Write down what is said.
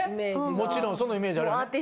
もちろんそのイメージあるよね。